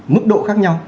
mức độ khác nhau